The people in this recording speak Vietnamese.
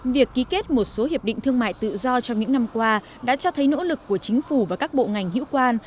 việc ký kết một số hiệp định thương mại tự do trong những năm qua đã cho thấy nỗ lực của chính phủ và các bộ ngành hữu quan